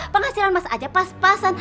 penghasilan mas aceh pas pasan